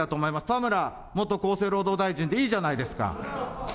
田村元厚生労働大臣でいいじゃないですか。